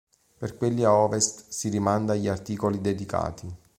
Per quelli a ovest, si rimanda agli articoli dedicati.